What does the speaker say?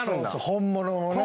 本物のね。